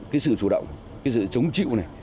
cái sự chủ động cái sự chống chịu này